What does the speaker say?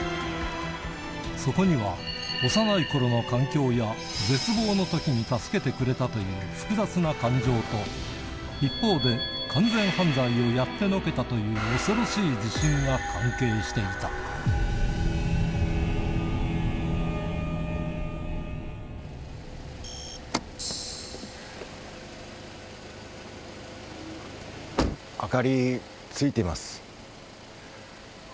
そこには幼い頃の環境や絶望の時に助けてくれたという複雑な感情と一方で完全犯罪をやってのけたという恐ろしい自信が関係していたああ。